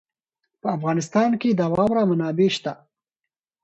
په افغانستان کې د واوره منابع شته.